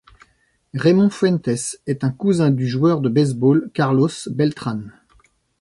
Reymond Fuentes est un cousin du joueur de baseball Carlos Beltrán.